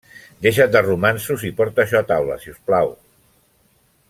Deixa't de romanços i porta això a taula, si us plau.